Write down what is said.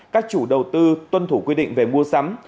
các chủ đầu tư tuân thủ quy định về mua sắm